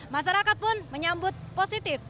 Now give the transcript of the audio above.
masyarakat pun menyambut positif